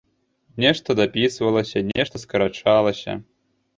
Нешта дапісвалася, нешта скарачалася.